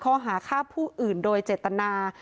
ข้อหาฆ่าผู้อื่นโดยเจตนา